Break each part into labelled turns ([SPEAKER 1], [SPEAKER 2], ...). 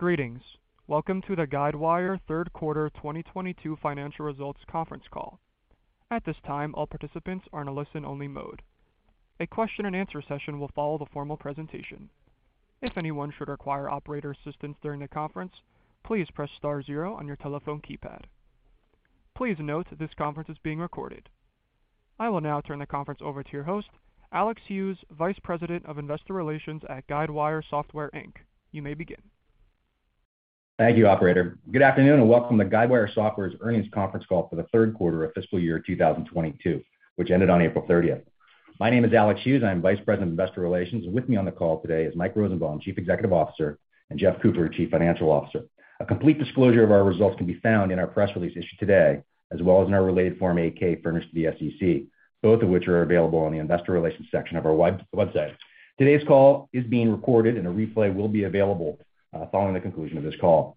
[SPEAKER 1] Greetings. Welcome to the Guidewire third quarter 2022 financial results conference call. At this time, all participants are in a listen-only mode. A question and answer session will follow the formal presentation. If anyone should require operator assistance during the conference, please press star zero on your telephone keypad. Please note this conference is being recorded. I will now turn the conference over to your host, Alex Hughes, Vice President of Investor Relations at Guidewire Software, Inc. You may begin.
[SPEAKER 2] Thank you, operator. Good afternoon, and welcome to Guidewire Software's earnings conference call for the third quarter of FY22, which ended on April 30th. My name is Alex Hughes. I'm Vice President of Investor Relations, and with me on the call today is Mike Rosenbaum, Chief Executive Officer, and Jeff Cooper, Chief Financial Officer. A complete disclosure of our results can be found in our press release issued today, as well as in our related Form 8-K furnished to the SEC, both of which are available on the investor relations section of our website. Today's call is being recorded, and a replay will be available following the conclusion of this call.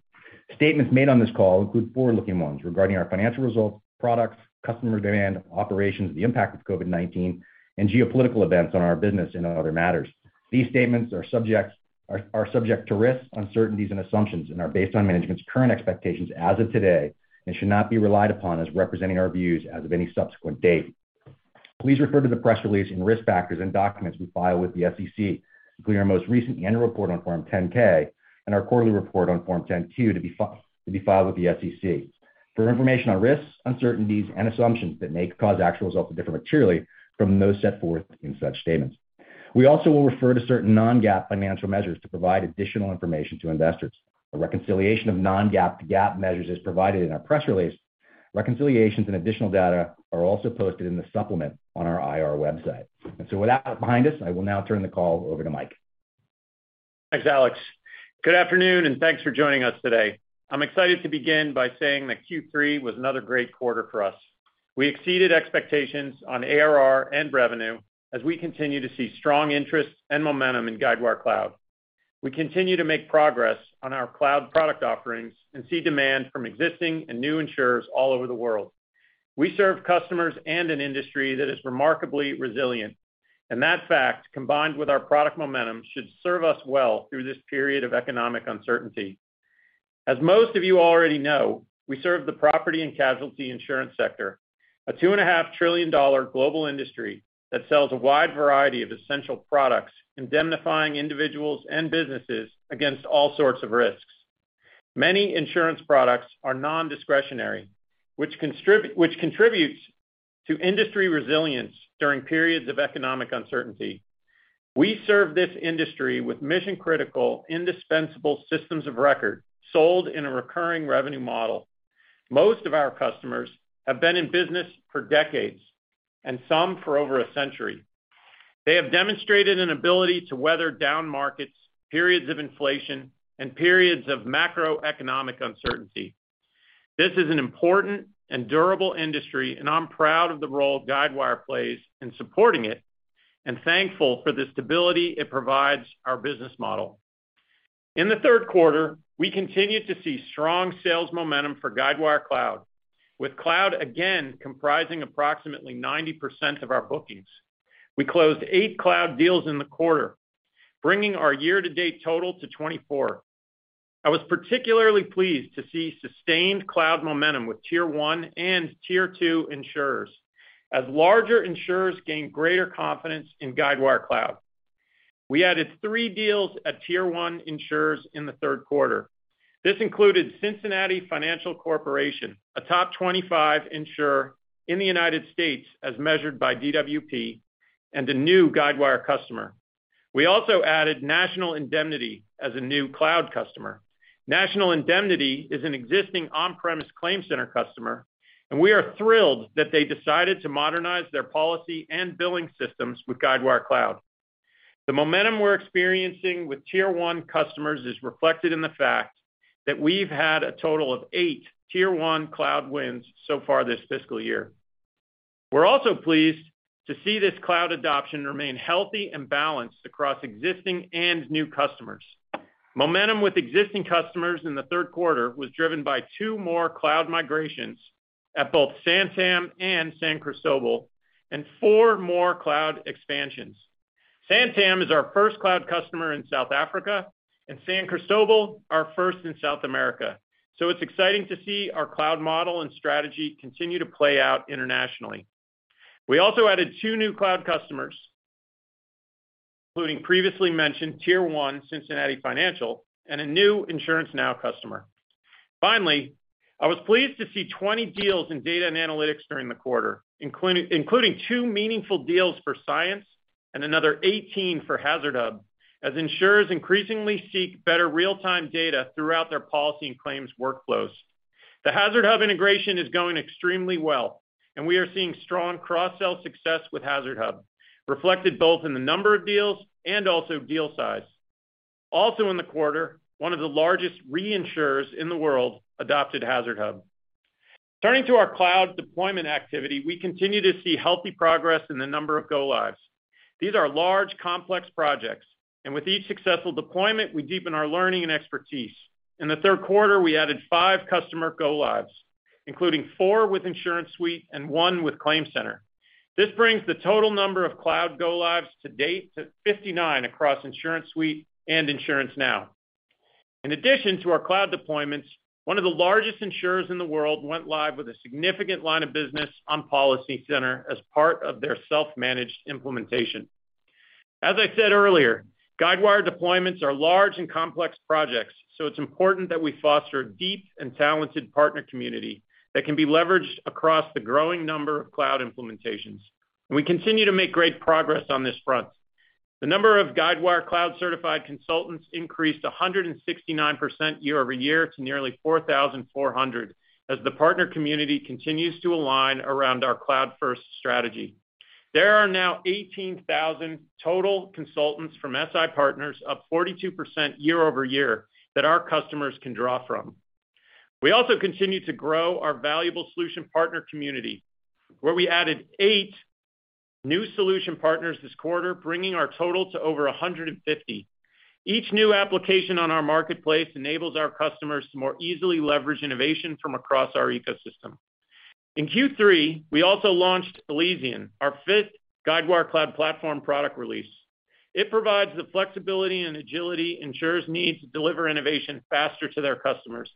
[SPEAKER 2] Statements made on this call include forward-looking ones regarding our financial results, products, customer demand, operations, the impact of COVID-19, and geopolitical events on our business and other matters. These statements are subject to risks, uncertainties, and assumptions and are based on management's current expectations as of today and should not be relied upon as representing our views as of any subsequent date. Please refer to the press release and risk factors and documents we file with the SEC, including our most recent annual report on Form 10-K and our quarterly report on Form 10-Q to be filed with the SEC, for information on risks, uncertainties, and assumptions that may cause actual results to differ materially from those set forth in such statements. We also will refer to certain non-GAAP financial measures to provide additional information to investors. A reconciliation of non-GAAP to GAAP measures is provided in our press release. Reconciliations and additional data are also posted in the supplement on our IR website. With that behind us, I will now turn the call over to Mike.
[SPEAKER 3] Thanks, Alex. Good afternoon, and thanks for joining us today. I'm excited to begin by saying that Q3 was another great quarter for us. We exceeded expectations on ARR and revenue as we continue to see strong interest and momentum in Guidewire Cloud. We continue to make progress on our cloud product offerings and see demand from existing and new insurers all over the world. We serve customers and an industry that is remarkably resilient, and that fact, combined with our product momentum, should serve us well through this period of economic uncertainty. As most of you already know, we serve the property and casualty insurance sector, a $2.5 trillion global industry that sells a wide variety of essential products, indemnifying individuals and businesses against all sorts of risks. Many insurance products are non-discretionary, which contributes to industry resilience during periods of economic uncertainty. We serve this industry with mission-critical, indispensable systems of record sold in a recurring revenue model. Most of our customers have been in business for decades, and some for over a century. They have demonstrated an ability to weather down markets, periods of inflation, and periods of macroeconomic uncertainty. This is an important and durable industry, and I'm proud of the role Guidewire plays in supporting it and thankful for the stability it provides our business model. In the third quarter, we continued to see strong sales momentum for Guidewire Cloud, with cloud again comprising approximately 90% of our bookings. We closed eight cloud deals in the quarter, bringing our year-to-date total to 24. I was particularly pleased to see sustained cloud momentum with Tier 1 and Tier 2 insurers as larger insurers gained greater confidence in Guidewire Cloud. We added three deals at Tier 1 insurers in the third quarter. This included Cincinnati Financial Corporation, a top 25 insurer in the United States as measured by DWP and a new Guidewire customer. We also added National Indemnity as a new cloud customer. National Indemnity is an existing on-premise ClaimCenter customer, and we are thrilled that they decided to modernize their policy and billing systems with Guidewire Cloud. The momentum we're experiencing with Tier 1 customers is reflected in the fact that we've had a total of eight Tier 1 cloud wins so far this fiscal year. We're also pleased to see this cloud adoption remain healthy and balanced across existing and new customers. Momentum with existing customers in the third quarter was driven by two more cloud migrations at both Santam and San Cristóbal, and four more cloud expansions. Santam is our first cloud customer in South Africa and San Cristóbal our first in South America. It's exciting to see our cloud model and strategy continue to play out internationally. We also added two new cloud customers, including previously mentioned tier one Cincinnati Financial and a new InsuranceNow customer. Finally, I was pleased to see 20 deals in data and analytics during the quarter, including two meaningful deals for Cyence and another 18 for HazardHub, as insurers increasingly seek better real-time data throughout their policy and claims workflows. The HazardHub integration is going extremely well, and we are seeing strong cross-sell success with HazardHub, reflected both in the number of deals and also deal size. Also in the quarter, one of the largest reinsurers in the world adopted HazardHub. Turning to our cloud deployment activity, we continue to see healthy progress in the number of go-lives. These are large, complex projects, and with each successful deployment, we deepen our learning and expertise. In the third quarter, we added five customer go-lives. Including four with InsuranceSuite and one with ClaimCenter. This brings the total number of cloud go-lives to date to 59 across InsuranceSuite and InsuranceNow. In addition to our cloud deployments, one of the largest insurers in the world went live with a significant line of business on PolicyCenter as part of their self-managed implementation. As I said earlier, Guidewire deployments are large and complex projects, so it's important that we foster a deep and talented partner community that can be leveraged across the growing number of cloud implementations. We continue to make great progress on this front. The number of Guidewire Cloud-certified consultants increased 169% year-over-year to nearly 4,400, as the partner community continues to align around our cloud-first strategy. There are now 18,000 total consultants from SI partners, up 42% year-over-year, that our customers can draw from. We also continue to grow our valuable solution partner community, where we added eight new solution partners this quarter, bringing our total to over 150. Each new application on our marketplace enables our customers to more easily leverage innovation from across our ecosystem. In Q3, we also launched Elysian, our fifth Guidewire Cloud Platform product release. It provides the flexibility and agility insurers need to deliver innovation faster to their customers.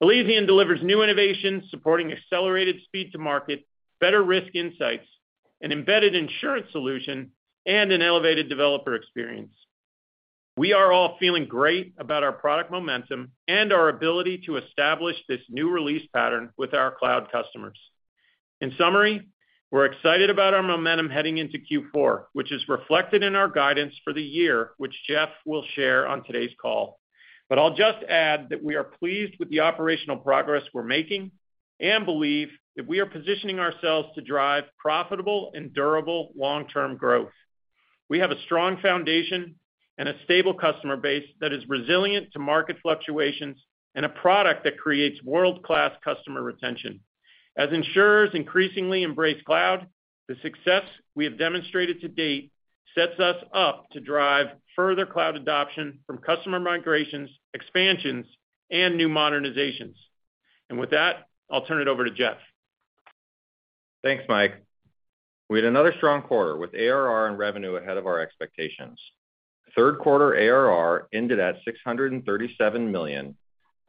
[SPEAKER 3] Elysian delivers new innovations supporting accelerated speed to market, better risk insights, an embedded insurance solution, and an elevated developer experience. We are all feeling great about our product momentum and our ability to establish this new release pattern with our cloud customers. In summary, we're excited about our momentum heading into Q4, which is reflected in our guidance for the year, which Jeff will share on today's call. I'll just add that we are pleased with the operational progress we're making and believe that we are positioning ourselves to drive profitable and durable long-term growth. We have a strong foundation and a stable customer base that is resilient to market fluctuations and a product that creates world-class customer retention. As insurers increasingly embrace cloud, the success we have demonstrated to date sets us up to drive further cloud adoption from customer migrations, expansions, and new modernizations. With that, I'll turn it over to Jeff.
[SPEAKER 4] Thanks, Mike. We had another strong quarter with ARR and revenue ahead of our expectations. Third quarter ARR ended at $637 million,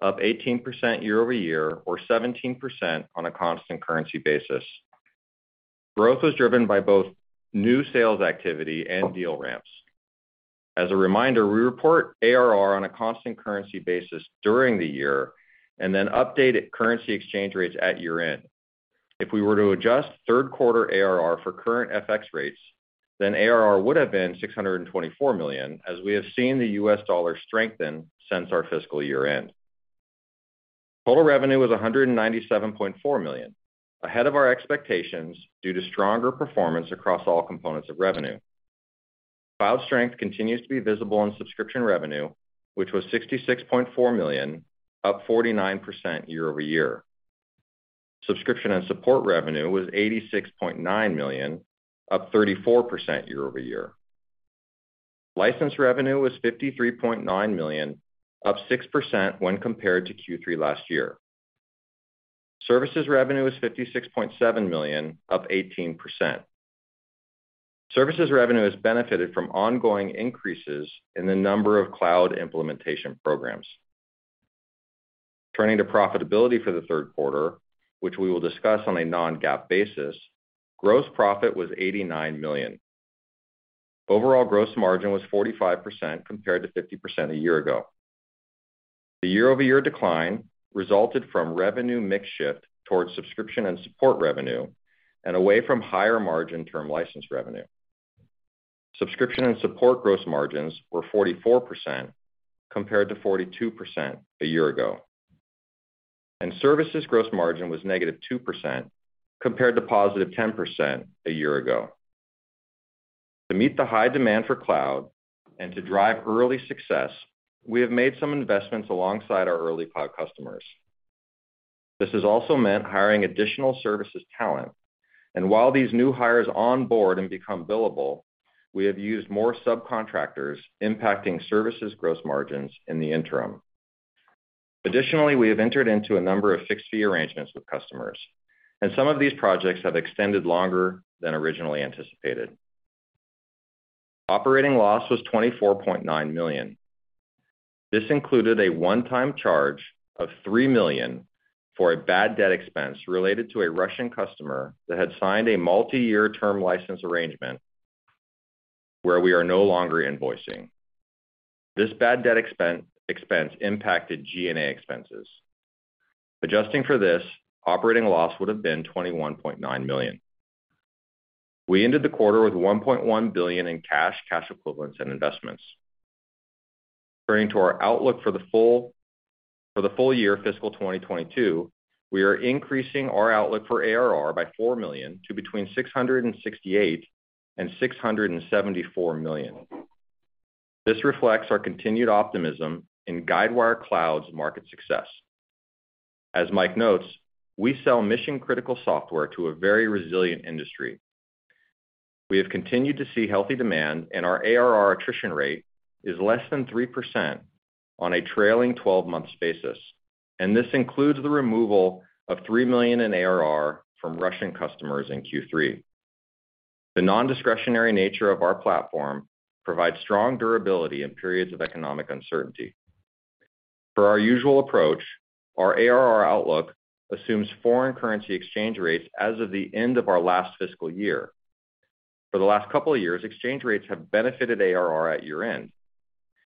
[SPEAKER 4] up 18% year-over-year or 17% on a constant currency basis. Growth was driven by both new sales activity and deal ramps. As a reminder, we report ARR on a constant currency basis during the year and then update at currency exchange rates at year-end. If we were to adjust third quarter ARR for current FX rates, then ARR would have been $624 million, as we have seen the US dollar strengthen since our fiscal year-end. Total revenue was $197.4 million, ahead of our expectations due to stronger performance across all components of revenue. Cloud strength continues to be visible in subscription revenue, which was $66.4 million, up 49% year-over-year. Subscription and support revenue was $86.9 million, up 34% year-over-year. License revenue was $53.9 million, up 6% when compared to Q3 last year. Services revenue was $56.7 million, up 18%. Services revenue has benefited from ongoing increases in the number of cloud implementation programs. Turning to profitability for the third quarter, which we will discuss on a non-GAAP basis, gross profit was $89 million. Overall gross margin was 45% compared to 50% a year ago. The year-over-year decline resulted from revenue mix shift towards subscription and support revenue and away from higher margin term license revenue. Subscription and support gross margins were 44% compared to 42% a year ago. Services gross margin was -2% compared to 10% a year ago. To meet the high demand for cloud and to drive early success, we have made some investments alongside our early cloud customers. This has also meant hiring additional services talent. While these new hires onboard and become billable, we have used more subcontractors impacting services gross margins in the interim. Additionally, we have entered into a number of fixed fee arrangements with customers, and some of these projects have extended longer than originally anticipated. Operating loss was $24.9 million. This included a one-time charge of $3 million for a bad debt expense related to a Russian customer that had signed a multi-year term license arrangement where we are no longer invoicing. This bad debt expense impacted G&A expenses. Adjusting for this, operating loss would have been $21.9 million. We ended the quarter with $1.1 billion in cash equivalents, and investments. Turning to our outlook for the full-year fiscal 2022, we are increasing our outlook for ARR by $4 million to between $668 million and $674 million. This reflects our continued optimism in Guidewire Cloud's market success. As Mike notes, we sell mission-critical software to a very resilient industry. We have continued to see healthy demand, and our ARR attrition rate is less than 3% on a trailing 12 months basis, and this includes the removal of $3 million in ARR from Russian customers in Q3. The nondiscretionary nature of our platform provides strong durability in periods of economic uncertainty. Per our usual approach, our ARR outlook assumes foreign currency exchange rates as of the end of our last fiscal year. For the last couple of years, exchange rates have benefited ARR at year-end.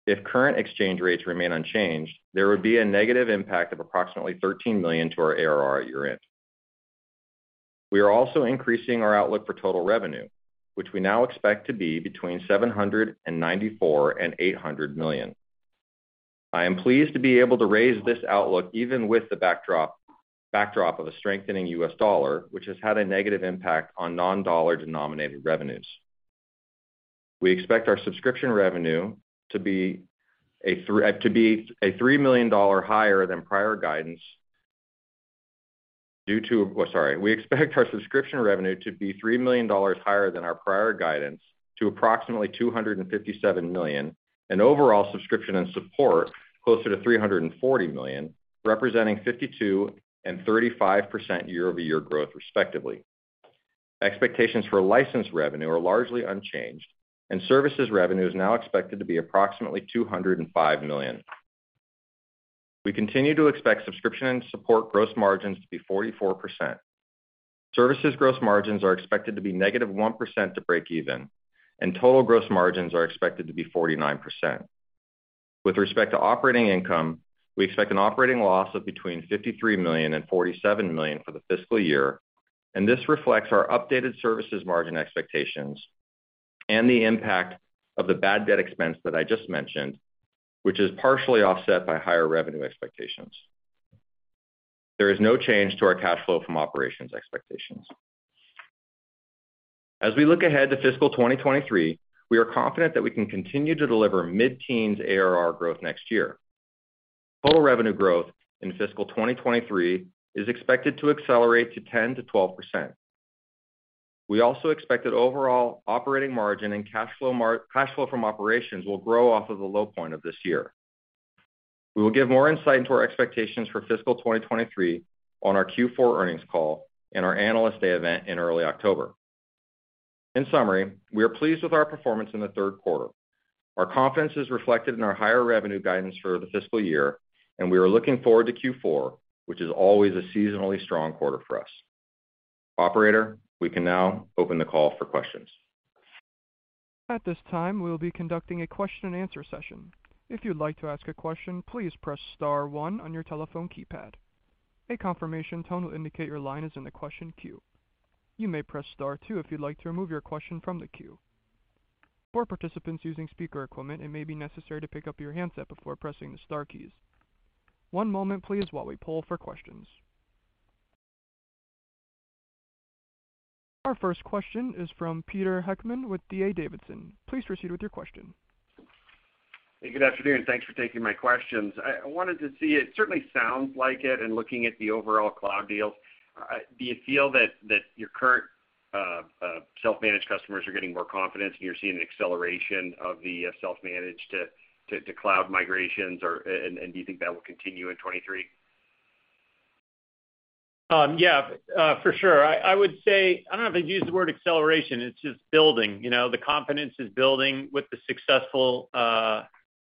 [SPEAKER 4] If current exchange rates remain unchanged, there would be a negative impact of approximately $13 million to our ARR at year-end. We are also increasing our outlook for total revenue, which we now expect to be between $794 million and $800 million. I am pleased to be able to raise this outlook even with the backdrop of a strengthening U.S. dollar, which has had a negative impact on non-dollar-denominated revenues. We expect our subscription revenue to be a $3 million higher than prior guidance due to. Oh, sorry. We expect our subscription revenue to be $3 million higher than our prior guidance to approximately $257 million, and overall subscription and support closer to $340 million, representing 52% and 35% year-over-year growth respectively. Expectations for license revenue are largely unchanged, and services revenue is now expected to be approximately $205 million. We continue to expect subscription and support gross margins to be 44%. Services gross margins are expected to be -1% to break even, and total gross margins are expected to be 49%. With respect to operating income, we expect an operating loss of between $53 million and $47 million for the fiscal year, and this reflects our updated services margin expectations and the impact of the bad debt expense that I just mentioned, which is partially offset by higher revenue expectations. There is no change to our cash flow from operations expectations. As we look ahead to fiscal 2023, we are confident that we can continue to deliver mid-teens ARR growth next year. Total revenue growth in fiscal 2023 is expected to accelerate to 10%-12%. We also expect that overall operating margin and cash flow from operations will grow off of the low point of this year. We will give more insight into our expectations for fiscal 2023 on our Q4 earnings call and our Analyst Day event in early October. In summary, we are pleased with our performance in the third quarter. Our confidence is reflected in our higher revenue guidance for the fiscal year, and we are looking forward to Q4, which is always a seasonally strong quarter for us. Operator, we can now open the call for questions.
[SPEAKER 1] At this time, we'll be conducting a question-and-answer session. If you'd like to ask a question, please press star one on your telephone keypad. A confirmation tone will indicate your line is in the question queue. You may press star two if you'd like to remove your question from the queue. For participants using speaker equipment, it may be necessary to pick up your handset before pressing the star keys. One moment please while we poll for questions. Our first question is from Peter Heckmann with D.A. Davidson. Please proceed with your question.
[SPEAKER 5] Hey, good afternoon, thanks for taking my questions. I wanted to see, it certainly sounds like it, and looking at the overall cloud deals, do you feel that your current self-managed customers are getting more confidence and you're seeing an acceleration of the self-managed to cloud migrations or. Do you think that will continue in 2023?
[SPEAKER 3] Yeah, for sure. I would say I don't know if I'd use the word acceleration. It's just building. You know, the confidence is building with the successful,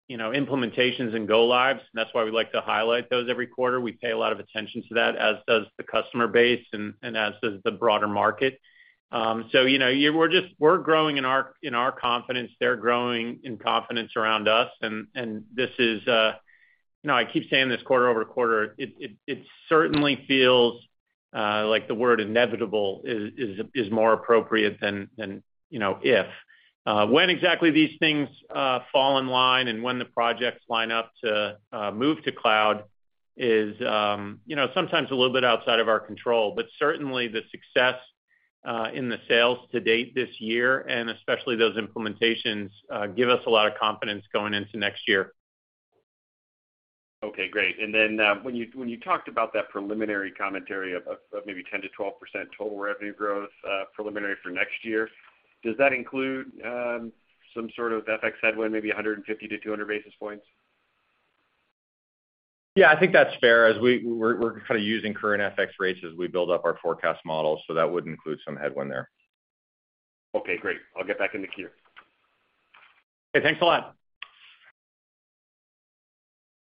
[SPEAKER 3] you know, implementations and go-lives. That's why we like to highlight those every quarter. We pay a lot of attention to that, as does the customer base and as does the broader market. So, you know, we're growing in our confidence. They're growing in confidence around us, and this is. You know, I keep saying this quarter over quarter. It certainly feels like the word inevitable is more appropriate than, you know, if. When exactly these things fall in line and when the projects line up to move to cloud is, you know, sometimes a little bit outside of our control. Certainly the success in the sales to date this year, and especially those implementations, give us a lot of confidence going into next year.
[SPEAKER 5] Okay, great. Then, when you talked about that preliminary commentary of maybe 10%-12% total revenue growth, preliminary for next year, does that include some sort of FX headwind, maybe 150-200 basis points?
[SPEAKER 3] Yeah. I think that's fair as we're kind of using current FX rates as we build up our forecast models, so that would include some headwind there.
[SPEAKER 5] Okay, great. I'll get back in the queue. Okay, thanks a lot.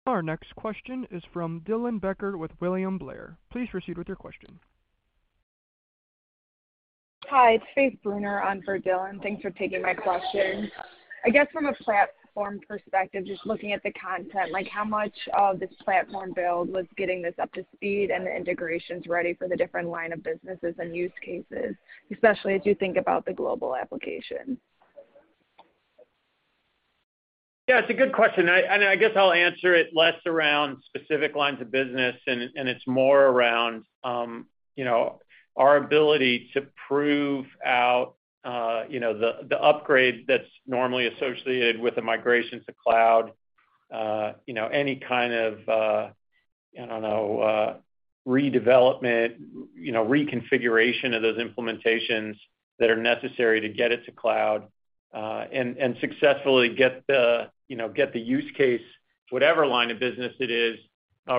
[SPEAKER 1] Our next question is from Dylan Becker with William Blair. Please proceed with your question.
[SPEAKER 6] Hi, it's Faith Brunner on for Dylan. Thanks for taking my question. I guess from a platform perspective, just looking at the content, like how much of this platform build was getting this up to speed and the integrations ready for the different line of businesses and use cases, especially as you think about the global application?
[SPEAKER 3] Yeah, it's a good question. I guess I'll answer it less around specific lines of business and it's more around, you know, our ability to prove out, you know, the upgrade that's normally associated with the migration to cloud. You know, any kind of, I don't know, redevelopment, you know, reconfiguration of those implementations that are necessary to get it to cloud, and successfully get the, you know, use case, whatever line of business it is,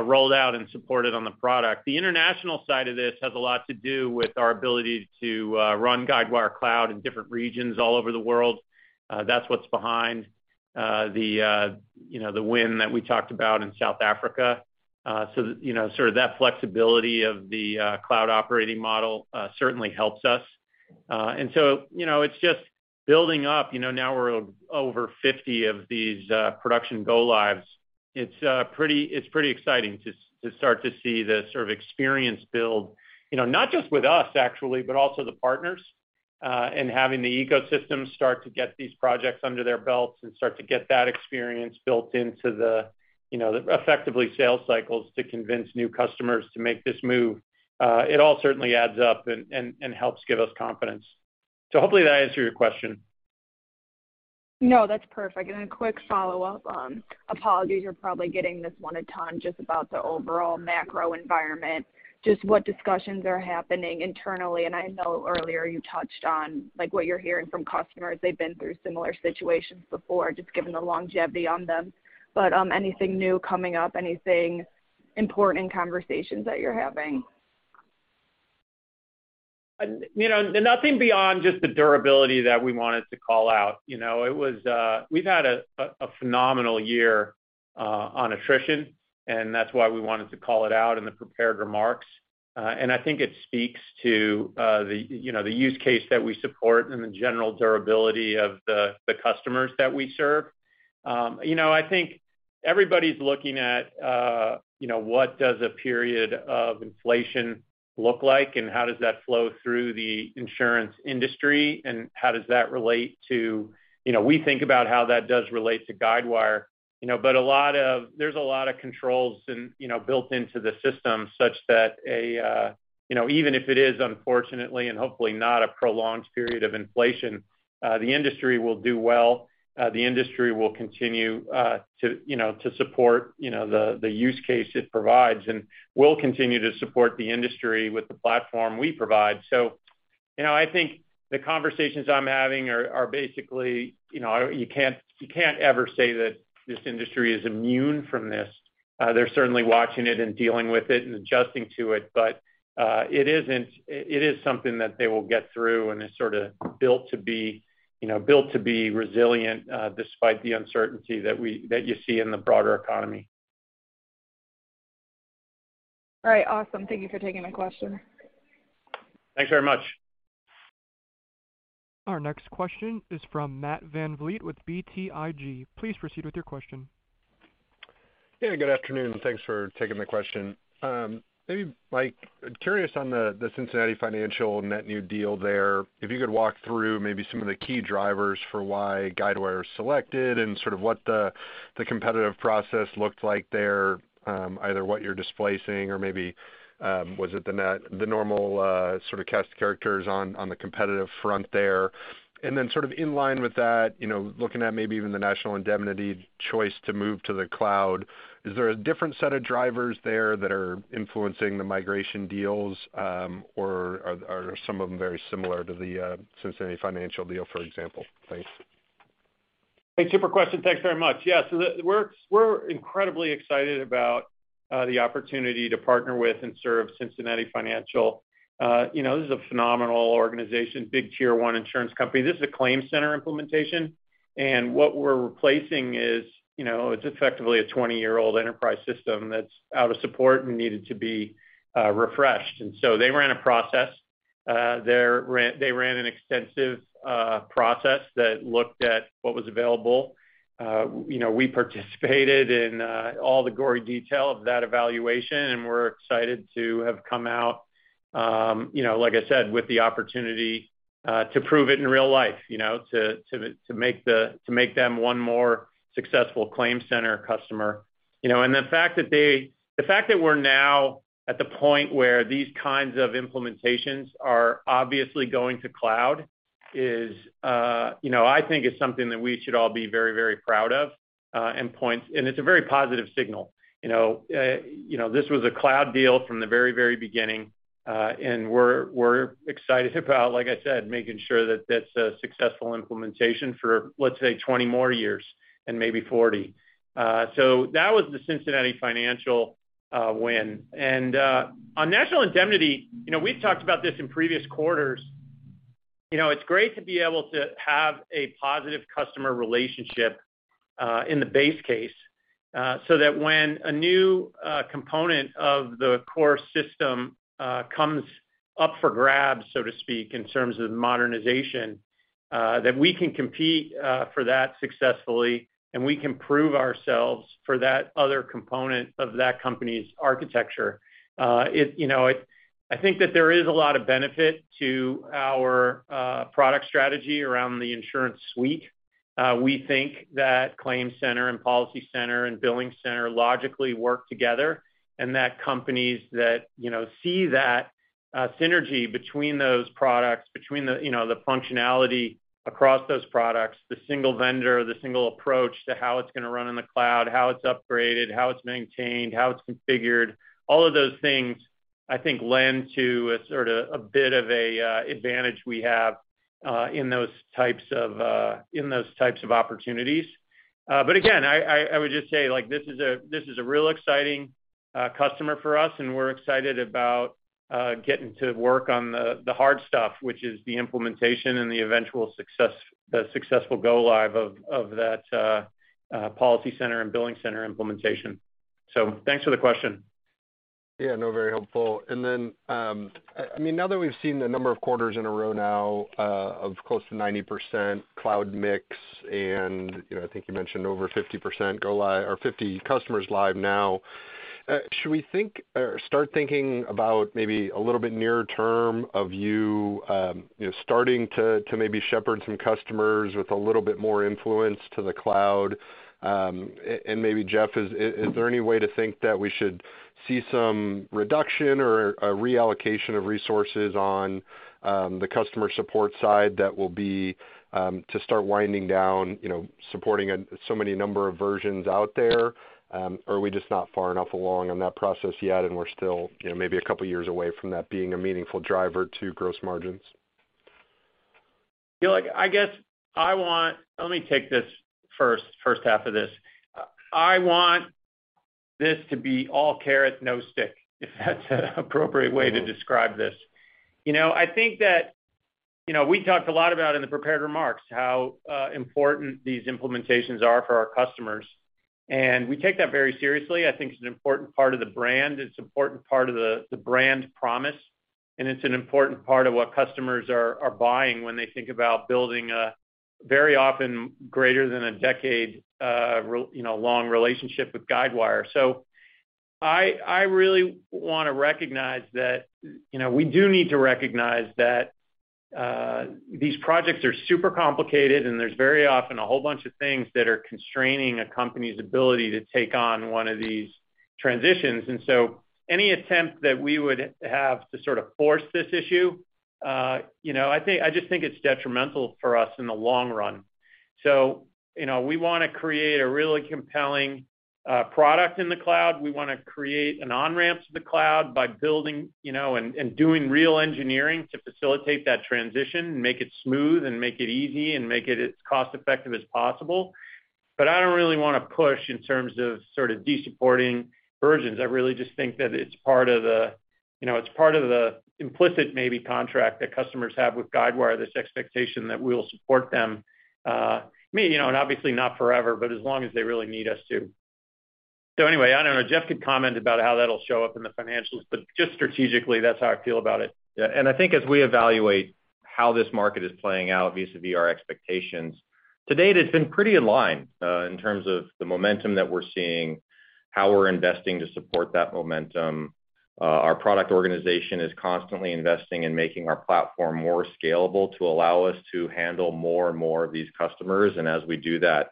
[SPEAKER 3] rolled out and supported on the product. The international side of this has a lot to do with our ability to run Guidewire Cloud in different regions all over the world. That's what's behind, the, you know, win that we talked about in South Africa. So, you know, sort of that flexibility of the, cloud operating model, certainly helps us. You know, it's just building up. You know, now we're over 50 of these, production go lives. It's pretty exciting to start to see the sort of experience build, you know, not just with us actually, but also the partners, and having the ecosystem start to get these projects under their belts and start to get that experience built into the, you know, effectively sales cycles to convince new customers to make this move. It all certainly adds up and helps give us confidence. Hopefully that answered your question.
[SPEAKER 6] No, that's perfect. A quick follow-up. Apologies, you're probably getting this one a ton, just about the overall macro environment, just what discussions are happening internally. I know earlier you touched on, like, what you're hearing from customers. They've been through similar situations before, just given the longevity on them. Anything new coming up? Anything important in conversations that you're having?
[SPEAKER 3] You know, nothing beyond just the durability that we wanted to call out. You know, we've had a phenomenal year on attrition, and that's why we wanted to call it out in the prepared remarks. I think it speaks to, you know, the use case that we support and the general durability of the customers that we serve. You know, I think everybody's looking at, you know, what does a period of inflation look like, and how does that flow through the insurance industry, and how does that relate to. You know, we think about how that does relate to Guidewire, you know. There's a lot of controls in, you know, built into the system such that, you know, even if it is unfortunately, and hopefully not a prolonged period of inflation, the industry will do well. The industry will continue to you know to support, you know, the use case it provides, and we'll continue to support the industry with the platform we provide. You know, I think the conversations I'm having are basically, you know, you can't ever say that this industry is immune from this. They're certainly watching it and dealing with it and adjusting to it. It is something that they will get through and is sort of built to be resilient, despite the uncertainty that you see in the broader economy.
[SPEAKER 6] All right. Awesome. Thank you for taking my question.
[SPEAKER 3] Thanks very much.
[SPEAKER 1] Our next question is from Matt VanVliet with BTIG. Please proceed with your question.
[SPEAKER 7] Yeah, good afternoon, and thanks for taking the question. Maybe Mike, curious on the Cincinnati Financial net new deal there, if you could walk through maybe some of the key drivers for why Guidewire is selected and sort of what the competitive process looked like there, either what you're displacing or maybe was it the normal sort of cast of characters on the competitive front there. Sort of in line with that, you know, looking at maybe even the National Indemnity choice to move to the cloud, is there a different set of drivers there that are influencing the migration deals, or are some of them very similar to the Cincinnati Financial deal, for example? Thanks.
[SPEAKER 3] Thanks, super question. Thanks very much. We're incredibly excited about the opportunity to partner with and serve Cincinnati Financial. You know, this is a phenomenal organization, Big Tier 1 insurance company. This is a ClaimCenter implementation, and what we're replacing is, you know, it's effectively a 20-year-old enterprise system that's out of support and needed to be refreshed. They ran a process. They ran an extensive process that looked at what was available. You know, we participated in all the gory detail of that evaluation, and we're excited to have come out, you know, like I said, with the opportunity to prove it in real life, you know, to make them one more successful ClaimCenter customer. You know, the fact that we're now at the point where these kinds of implementations are obviously going to cloud is, you know, I think is something that we should all be very, very proud of, and it's a very positive signal. You know, this was a cloud deal from the very, very beginning, and we're excited about, like I said, making sure that that's a successful implementation for, let's say, 20 more years and maybe 40. So that was the Cincinnati Financial win. On National Indemnity, you know, we've talked about this in previous quarters. You know, it's great to be able to have a positive customer relationship in the base case so that when a new component of the core system comes up for grabs, so to speak, in terms of modernization, that we can compete for that successfully and we can prove ourselves for that other component of that company's architecture. You know, I think that there is a lot of benefit to our product strategy around the InsuranceSuite. We think that ClaimCenter and PolicyCenter and BillingCenter logically work together and that companies that, you know, see that synergy between those products, between the, you know, the functionality across those products, the single vendor, the single approach to how it's gonna run in the cloud, how it's upgraded, how it's maintained, how it's configured. All of those things, I think, lend to a sort of a bit of a advantage we have in those types of opportunities. Again, I would just say, like, this is a real exciting customer for us, and we're excited about getting to work on the hard stuff, which is the implementation and the eventual success, the successful go live of that PolicyCenter and BillingCenter implementation. Thanks for the question.
[SPEAKER 7] Yeah, no, very helpful. I mean, now that we've seen the number of quarters in a row now, of close to 90% cloud mix and, you know, I think you mentioned over 50% go live or 50 customers live now. Should we think or start thinking about maybe a little bit nearer term of you know, starting to maybe shepherd some customers with a little bit more influence to the cloud? And maybe, Jeff, is there any way to think that we should see some reduction or a reallocation of resources on the customer support side that will be to start winding down, you know, supporting so many number of versions out there? Are we just not far enough along on that process yet and we're still, you know, maybe a couple years away from that being a meaningful driver to gross margins?
[SPEAKER 3] Let me take this first half of this. I want this to be all carrot, no stick, if that's an appropriate way to describe this. You know, I think that, you know, we talked a lot about in the prepared remarks how important these implementations are for our customers, and we take that very seriously. I think it's an important part of the brand. It's an important part of the brand promise, and it's an important part of what customers are buying when they think about building a very often greater than a decade, you know, long relationship with Guidewire. I really wanna recognize that, you know, we do need to recognize that, these projects are super complicated, and there's very often a whole bunch of things that are constraining a company's ability to take on one of these transitions. Any attempt that we would have to sort of force this issue, you know, I just think it's detrimental for us in the long run. You know, we wanna create a really compelling, product in the cloud. We wanna create an on-ramp to the cloud by building, you know, and doing real engineering to facilitate that transition and make it smooth and make it easy and make it as cost-effective as possible. I don't really wanna push in terms of sort of de-supporting versions. I really just think that it's part of the, you know, it's part of the implicit maybe contract that customers have with Guidewire, this expectation that we'll support them, I mean, you know, and obviously not forever, but as long as they really need us to. Anyway, I don't know, Jeff could comment about how that'll show up in the financials, but just strategically, that's how I feel about it.
[SPEAKER 4] Yeah. I think as we evaluate how this market is playing out vis-à-vis our expectations, to date, it's been pretty in line in terms of the momentum that we're seeing, how we're investing to support that momentum. Our product organization is constantly investing in making our platform more scalable to allow us to handle more and more of these customers. As we do that,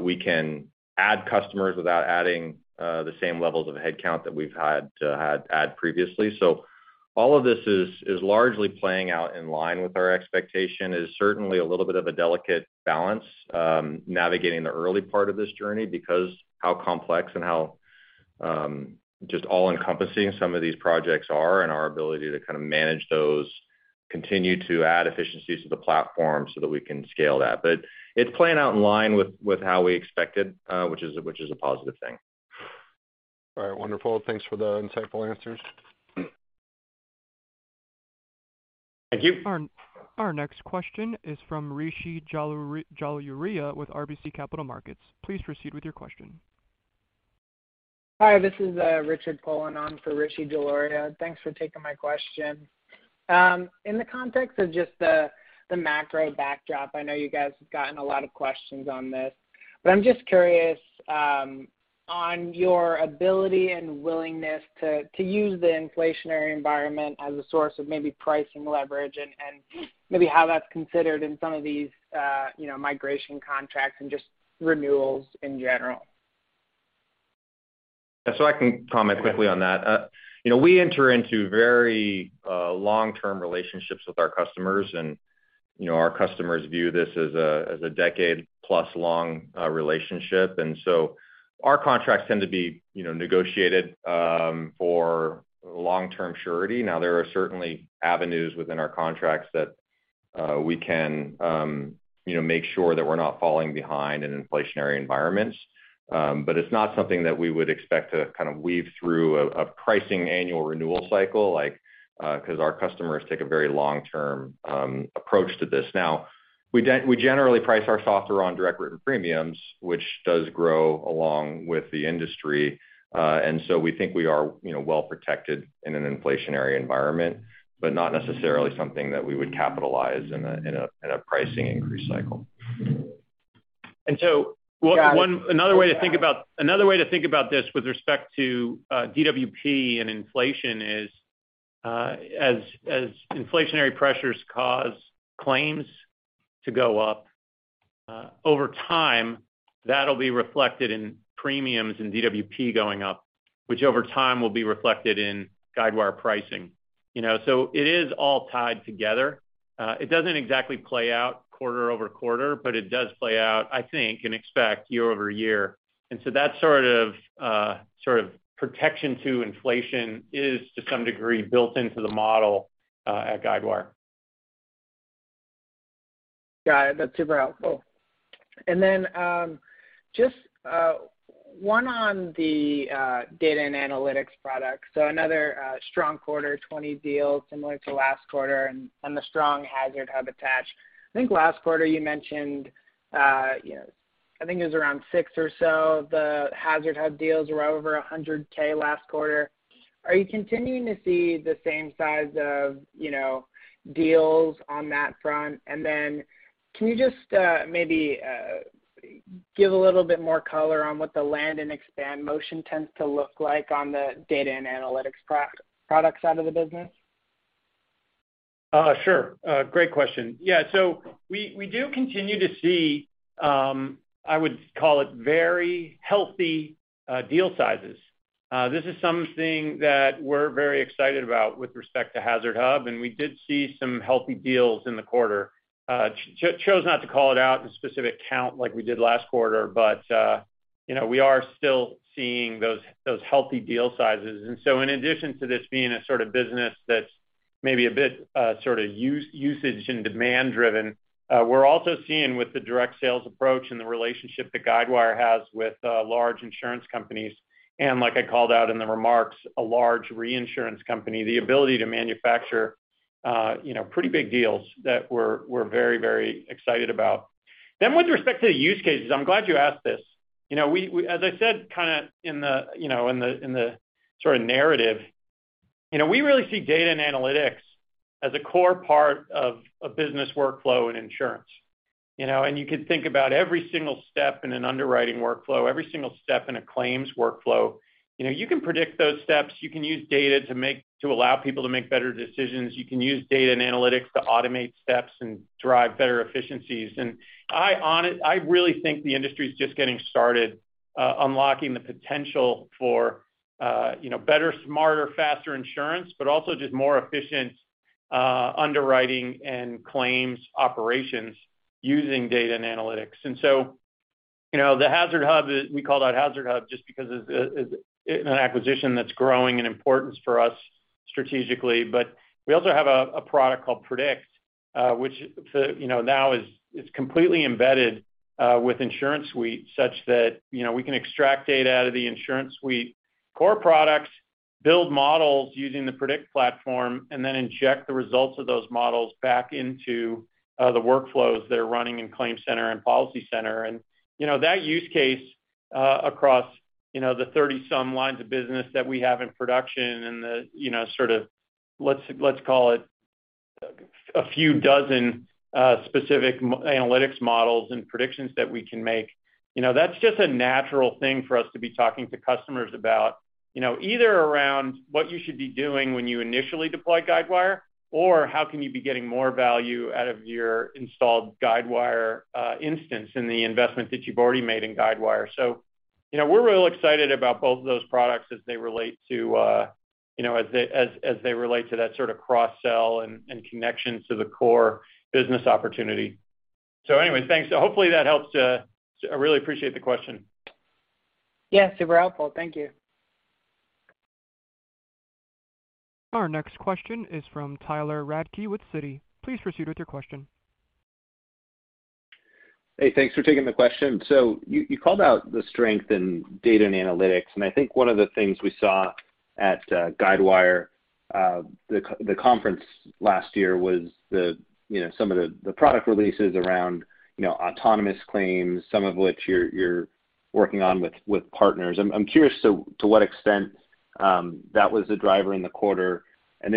[SPEAKER 4] we can add customers without adding the same levels of headcount that we've had to add previously. All of this is largely playing out in line with our expectation. It is certainly a little bit of a delicate balance, navigating the early part of this journey because how complex and how just all-encompassing some of these projects are and our ability to kind of manage those, continue to add efficiencies to the platform so that we can scale that. It's playing out in line with how we expected, which is a positive thing.
[SPEAKER 7] All right. Wonderful. Thanks for the insightful answers.
[SPEAKER 3] Thank you.
[SPEAKER 1] Our next question is from Rishi Jaluria with RBC Capital Markets. Please proceed with your question.
[SPEAKER 8] Hi, this is Richard filling in for Rishi Jaluria. Thanks for taking my question. In the context of just the macro backdrop, I know you guys have gotten a lot of questions on this, but I'm just curious on your ability and willingness to use the inflationary environment as a source of maybe pricing leverage and maybe how that's considered in some of these, you know, migration contracts and just renewals in general.
[SPEAKER 4] I can comment quickly on that. You know, we enter into very long-term relationships with our customers and, you know, our customers view this as a decade-plus long relationship. Our contracts tend to be, you know, negotiated for long-term surety. Now, there are certainly avenues within our contracts that we can, you know, make sure that we're not falling behind in inflationary environments. It's not something that we would expect to kind of weave through a pricing annual renewal cycle, like, 'cause our customers take a very long-term approach to this. Now, we generally price our software on direct written premiums, which does grow along with the industry. We think we are, you know, well-protected in an inflationary environment, but not necessarily something that we would capitalize in a pricing increase cycle.
[SPEAKER 3] Another way to think about this with respect to DWP and inflation is as inflationary pressures cause claims to go up over time, that'll be reflected in premiums and DWP going up, which over time will be reflected in Guidewire pricing. You know, so it is all tied together. It doesn't exactly play out quarter-over-quarter, but it does play out, I think, and expect year-over-year. That sort of protection to inflation is to some degree built into the model at Guidewire.
[SPEAKER 8] Got it. That's super helpful. Just one on the data and analytics products. Another strong quarter, 20 deals similar to last quarter and the strong HazardHub attached. I think last quarter you mentioned, you know, I think it was around 6 or so of the HazardHub deals were over $100K last quarter. Are you continuing to see the same size of, you know, deals on that front? Can you just maybe give a little bit more color on what the land and expand motion tends to look like on the data and analytics products side of the business?
[SPEAKER 3] Sure. Great question. Yeah, so we do continue to see, I would call it very healthy deal sizes. This is something that we're very excited about with respect to HazardHub, and we did see some healthy deals in the quarter. Chose not to call it out in specific count like we did last quarter, but you know, we are still seeing those healthy deal sizes. In addition to this being a sort of business that's maybe a bit sort of usage and demand driven, we're also seeing with the direct sales approach and the relationship that Guidewire has with large insurance companies, and like I called out in the remarks, a large reinsurance company, the ability to manufacture you know, pretty big deals that we're very excited about. With respect to the use cases, I'm glad you asked this. As I said, kinda in the sort of narrative, you know, we really see data and analytics as a core part of a business workflow in insurance. You could think about every single step in an underwriting workflow, every single step in a claims workflow. You can predict those steps. You can use data to allow people to make better decisions. You can use data and analytics to automate steps and drive better efficiencies. I really think the industry is just getting started, unlocking the potential for, you know, better, smarter, faster insurance, but also just more efficient underwriting and claims operations using data and analytics. You know, we called out HazardHub just because it's an acquisition that's growing in importance for us strategically. But we also have a product called Predict, which, you know, now is completely embedded with InsuranceSuite such that, you know, we can extract data out of the InsuranceSuite core products, build models using the Predict platform, and then inject the results of those models back into the workflows that are running in ClaimCenter and PolicyCenter. You know, that use case across, you know, the 30-some lines of business that we have in production and the, you know, sort of let's call it a few dozen specific analytics models and predictions that we can make, you know, that's just a natural thing for us to be talking to customers about, you know, either around what you should be doing when you initially deploy Guidewire, or how can you be getting more value out of your installed Guidewire instance and the investment that you've already made in Guidewire. You know, we're real excited about both of those products as they relate to that sort of cross-sell and connection to the core business opportunity. Anyway, thanks. Hopefully that helps to. I really appreciate the question.
[SPEAKER 8] Yeah, super helpful. Thank you.
[SPEAKER 1] Our next question is from Tyler Radke with Citi. Please proceed with your question.
[SPEAKER 9] Hey, thanks for taking the question. You called out the strength in data and analytics, and I think one of the things we saw at Guidewire, the conference last year was you know some of the product releases around you know autonomous claims, some of which you're working on with partners. I'm curious to what extent that was a driver in the quarter.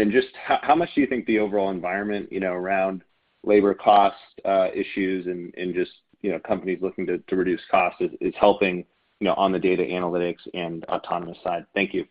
[SPEAKER 9] Just how much do you think the overall environment you know around labor cost issues and just you know companies looking to reduce costs is helping you know on the data analytics and autonomous side? Thank you.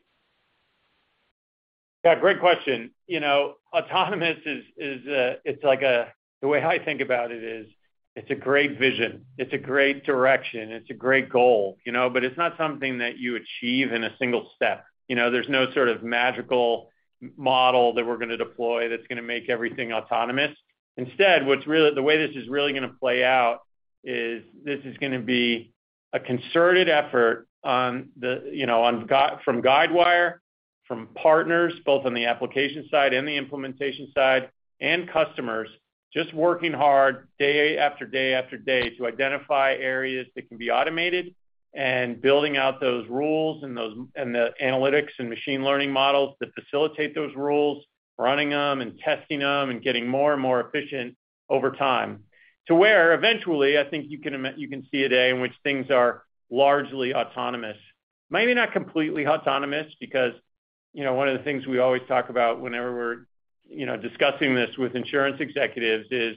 [SPEAKER 3] Yeah, great question. You know, autonomous is, it's like, the way I think about it is, it's a great vision. It's a great direction. It's a great goal, you know. But it's not something that you achieve in a single step. You know, there's no sort of magical model that we're gonna deploy that's gonna make everything autonomous. Instead, what's really the way this is really gonna play out is this is gonna be a concerted effort on the, you know, on Guidewire, from partners, both on the application side and the implementation side, and customers just working hard day after day after day to identify areas that can be automated and building out those rules and the analytics and machine learning models that facilitate those rules, running them and testing them and getting more and more efficient over time to where eventually, I think you can see a day in which things are largely autonomous. Maybe not completely autonomous because, you know, one of the things we always talk about whenever we're, you know, discussing this with insurance executives is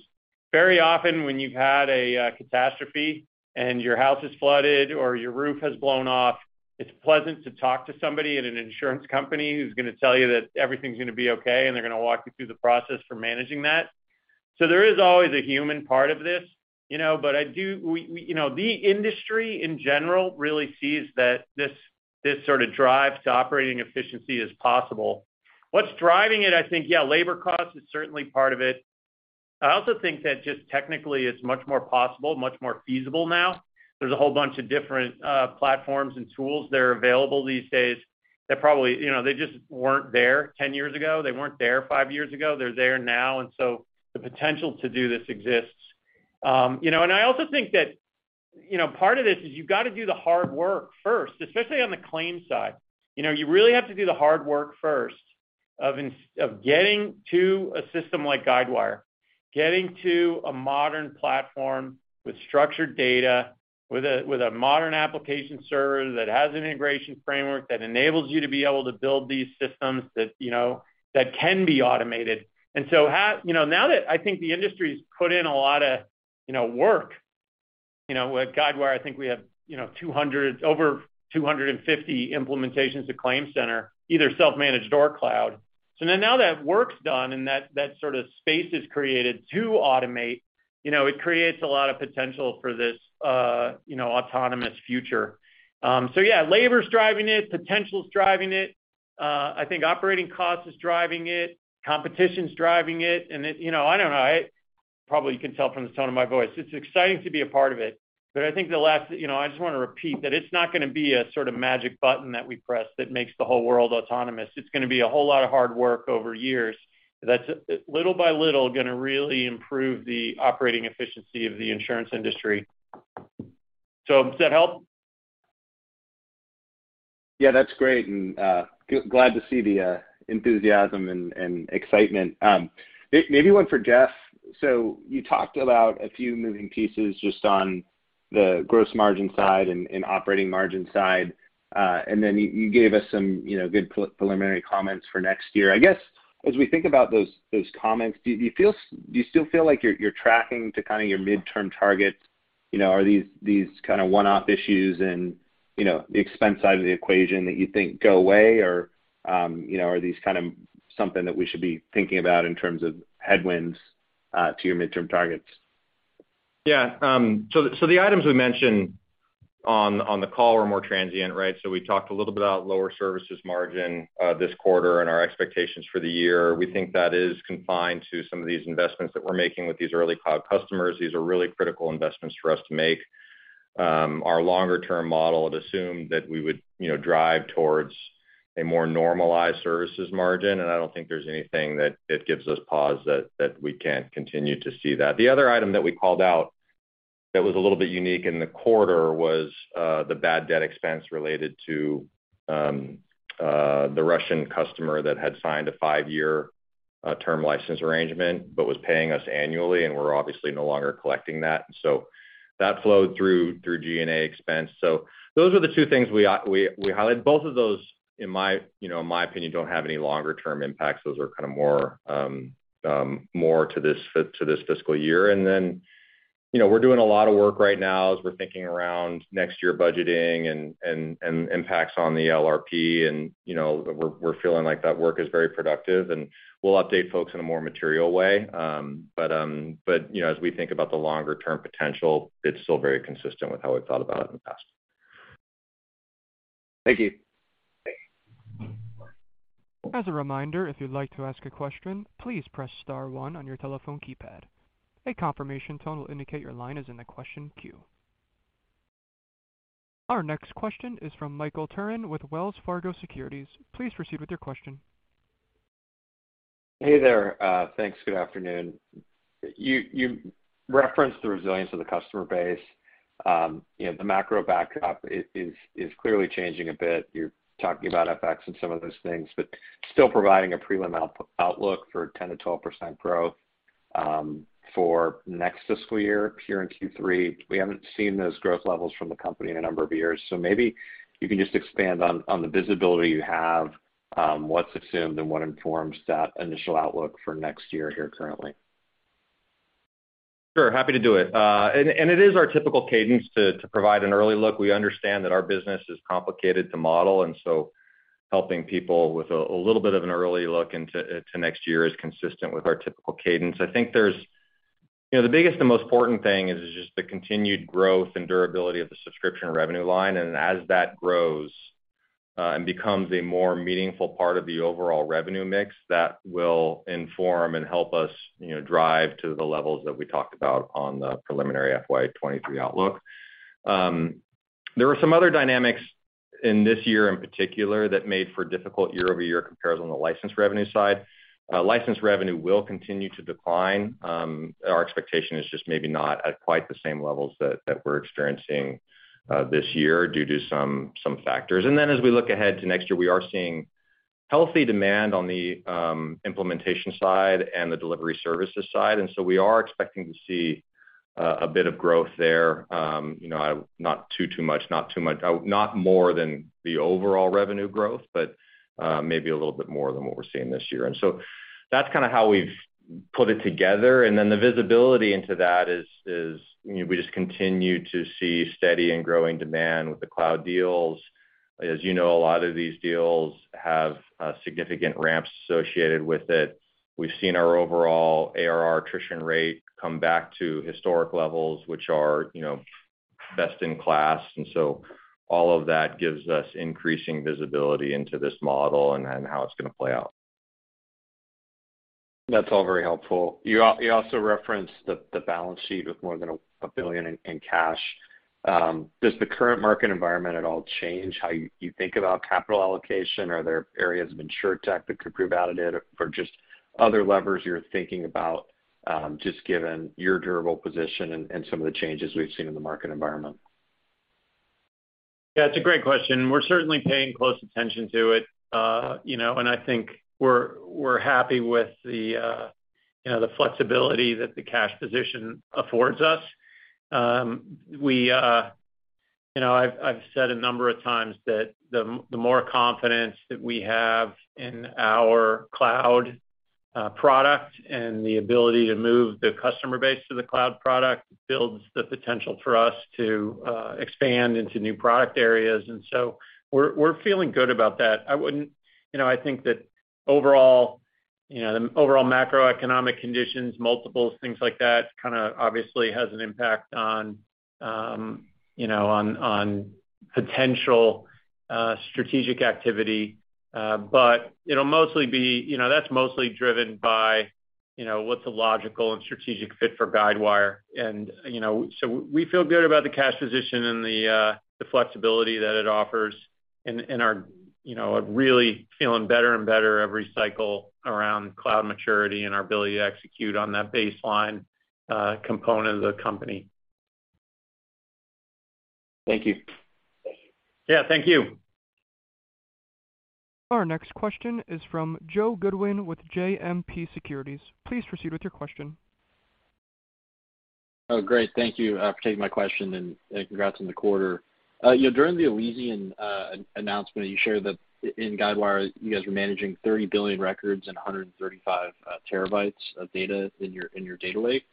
[SPEAKER 3] very often when you've had a catastrophe and your house is flooded or your roof has blown off. It's pleasant to talk to somebody at an insurance company who's gonna tell you that everything's gonna be okay, and they're gonna walk you through the process for managing that. There is always a human part of this, you know? But we, you know, the industry in general really sees that this sort of drive to operating efficiency is possible. What's driving it, I think, yeah, labor cost is certainly part of it. I also think that just technically it's much more possible, much more feasible now. There's a whole bunch of different platforms and tools that are available these days that probably, you know, they just weren't there 10 years ago. They weren't there five years ago. They're there now, and so the potential to do this exists. You know, I also think that, you know, part of this is you've got to do the hard work first, especially on the claims side. You know, you really have to do the hard work first of getting to a system like Guidewire, getting to a modern platform with structured data, with a modern application server that has an integration framework that enables you to be able to build these systems that, you know, that can be automated. You know, now that I think the industry's put in a lot of, you know, work, you know, at Guidewire, I think we have, you know, over 250 implementations to ClaimCenter, either self-managed or cloud. Now that work's done and that sort of space is created to automate, you know, it creates a lot of potential for this, you know, autonomous future. Yeah, labor's driving it, potential's driving it. I think operating cost is driving it, competition's driving it, and it. You know, I don't know. Probably you can tell from the tone of my voice, it's exciting to be a part of it. I think the last, you know, I just wanna repeat that it's not gonna be a sort of magic button that we press that makes the whole world autonomous. It's gonna be a whole lot of hard work over years that's little by little gonna really improve the operating efficiency of the insurance industry. Does that help?
[SPEAKER 9] Yeah, that's great. Glad to see the enthusiasm and excitement. Maybe one for Jeff. You talked about a few moving pieces just on the gross margin side and operating margin side. You gave us some, you know, good preliminary comments for next year. I guess, as we think about those comments, do you still feel like you're tracking to kind of your midterm targets? You know, are these kind of one-off issues and, you know, the expense side of the equation that you think go away or, you know, are these kind of something that we should be thinking about in terms of headwinds to your midterm targets?
[SPEAKER 4] Yeah. The items we mentioned on the call are more transient, right? We talked a little bit about lower services margin this quarter and our expectations for the year. We think that is confined to some of these investments that we're making with these early cloud customers. These are really critical investments for us to make. Our longer-term model had assumed that we would, you know, drive towards a more normalized services margin, and I don't think there's anything that gives us pause that we can't continue to see that. The other item that we called out that was a little bit unique in the quarter was the bad debt expense related to the Russian customer that had signed a five-year term license arrangement but was paying us annually, and we're obviously no longer collecting that. That flowed through G&A expense. Those are the two things we highlighted. Both of those, you know, in my opinion, don't have any longer term impacts. Those are kind of more to this fiscal year. Then, you know, we're doing a lot of work right now as we're thinking around next year budgeting and impacts on the LRP, you know, we're feeling like that work is very productive, and we'll update folks in a more material way. You know, as we think about the longer term potential, it's still very consistent with how we've thought about it in the past.
[SPEAKER 9] Thank you.
[SPEAKER 4] Thanks.
[SPEAKER 1] As a reminder, if you'd like to ask a question, please press star one on your telephone keypad. A confirmation tone will indicate your line is in the question queue. Our next question is from Michael Turrin with Wells Fargo Securities. Please proceed with your question.
[SPEAKER 10] Hey there. Thanks. Good afternoon. You referenced the resilience of the customer base. You know, the macro backdrop is clearly changing a bit. You're talking about FX and some of those things, but still providing a prelim outlook for 10%-12% growth for next fiscal year here in Q3. We haven't seen those growth levels from the company in a number of years. Maybe you can just expand on the visibility you have, what's assumed and what informs that initial outlook for next year here currently.
[SPEAKER 4] Sure. Happy to do it. It is our typical cadence to provide an early look. We understand that our business is complicated to model, and so helping people with a little bit of an early look into next year is consistent with our typical cadence. I think you know, the biggest and most important thing is just the continued growth and durability of the subscription revenue line. As that grows and becomes a more meaningful part of the overall revenue mix, that will inform and help us, you know, drive to the levels that we talked about on the preliminary FY 2023 outlook. There were some other dynamics in this year in particular that made for difficult year-over-year comparison on the license revenue side. License revenue will continue to decline. Our expectation is just maybe not at quite the same levels that we're experiencing this year due to some factors. As we look ahead to next year, we are seeing healthy demand on the implementation side and the delivery services side. We are expecting to see a bit of growth there. You know, not too much, not more than the overall revenue growth, but maybe a little bit more than what we're seeing this year. That's kind of how we've put it together. Then the visibility into that is, you know, we just continue to see steady and growing demand with the cloud deals. As you know, a lot of these deals have significant ramps associated with it. We've seen our overall ARR attrition rate come back to historic levels, which are, you know, best in class. All of that gives us increasing visibility into this model and how it's gonna play out.
[SPEAKER 10] That's all very helpful. You also referenced the balance sheet with more than $1 billion in cash. Does the current market environment at all change how you think about capital allocation? Are there areas of InsurTech that could prove additive or just other levers you're thinking about, just given your durable position and some of the changes we've seen in the market environment?
[SPEAKER 3] Yeah, it's a great question, and we're certainly paying close attention to it. You know, I think we're happy with the flexibility that the cash position affords us. I've said a number of times that the more confidence that we have in our cloud product and the ability to move the customer base to the cloud product builds the potential for us to expand into new product areas. We're feeling good about that. I wouldn't. You know, I think that overall, you know, the overall macroeconomic conditions, multiples, things like that kinda obviously has an impact on potential strategic activity. It'll mostly be. You know, that's mostly driven by, you know, what's a logical and strategic fit for Guidewire. You know, so we feel good about the cash position and the flexibility that it offers and are, you know, really feeling better and better every cycle around cloud maturity and our ability to execute on that baseline component of the company.
[SPEAKER 10] Thank you.
[SPEAKER 3] Yeah, thank you.
[SPEAKER 1] Our next question is from Joe Goodwin with JMP Securities. Please proceed with your question.
[SPEAKER 11] Oh, great. Thank you for taking my question and congrats on the quarter. You know, during the Elysian announcement, you shared that in Guidewire, you guys were managing 30 billion records and 135 TB of data in your data lake,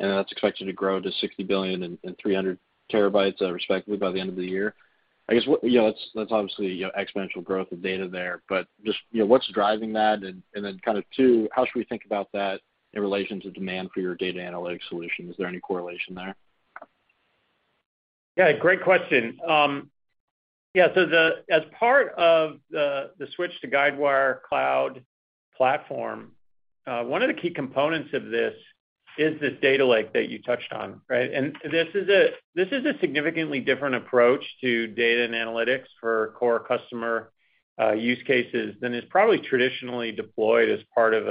[SPEAKER 11] and that's expected to grow to 60 billion and 300 TB, respectively by the end of the year. I guess what you know that's obviously you know exponential growth of data there. Just, you know, what's driving that? Then kind of too, how should we think about that in relation to demand for your data analytics solution? Is there any correlation there?
[SPEAKER 3] Yeah, great question. As part of the switch to Guidewire Cloud Platform, one of the key components of this is this data lake that you touched on, right? This is a significantly different approach to data and analytics for core customer use cases than is probably traditionally deployed as part of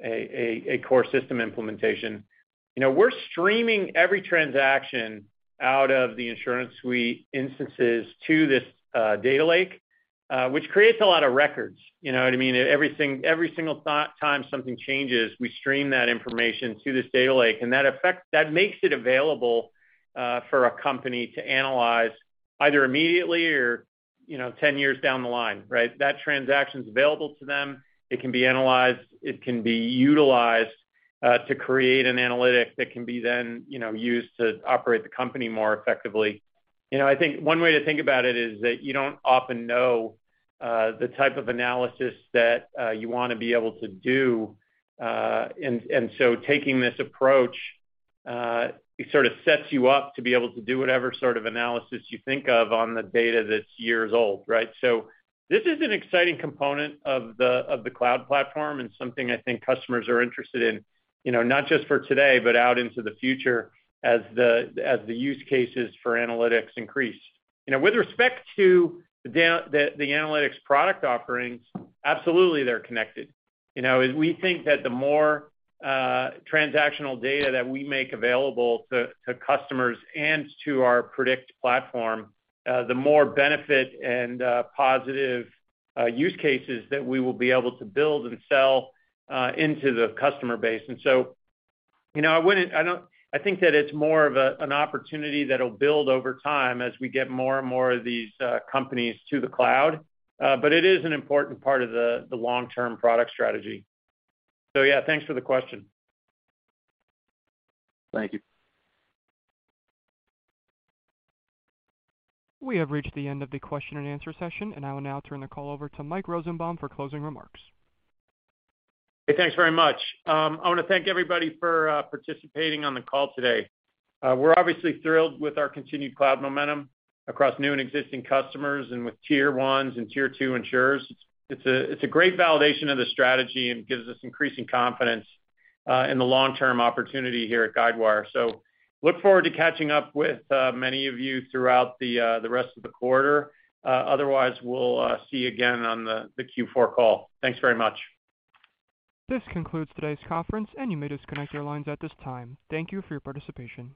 [SPEAKER 3] a core system implementation. You know, we're streaming every transaction out of the InsuranceSuite instances to this data lake, which creates a lot of records. You know what I mean? Every single time something changes, we stream that information to this data lake, and that makes it available for a company to analyze either immediately or, you know, 10 years down the line, right? That transaction's available to them. It can be analyzed. It can be utilized to create an analytic that can be then, you know, used to operate the company more effectively. You know, I think one way to think about it is that you don't often know the type of analysis that you wanna be able to do. Taking this approach, it sort of sets you up to be able to do whatever sort of analysis you think of on the data that's years old, right? This is an exciting component of the cloud platform and something I think customers are interested in, you know, not just for today, but out into the future as the use cases for analytics increase. You know, with respect to the analytics product offerings, absolutely they're connected. You know, as we think that the more transactional data that we make available to customers and to our Predict platform, the more benefit and positive use cases that we will be able to build and sell into the customer base. You know, I think that it's more of an opportunity that'll build over time as we get more and more of these companies to the cloud. But it is an important part of the long-term product strategy. Yeah, thanks for the question.
[SPEAKER 11] Thank you.
[SPEAKER 1] We have reached the end of the question and answer session, and I will now turn the call over to Mike Rosenbaum for closing remarks.
[SPEAKER 3] Hey, thanks very much. I wanna thank everybody for participating on the call today. We're obviously thrilled with our continued cloud momentum across new and existing customers and with Tier 1 and Tier 2 insurers. It's a great validation of the strategy and gives us increasing confidence in the long-term opportunity here at Guidewire. Look forward to catching up with many of you throughout the rest of the quarter. Otherwise, we'll see you again on the Q4 call. Thanks very much.
[SPEAKER 1] This concludes today's conference, and you may disconnect your lines at this time. Thank you for your participation.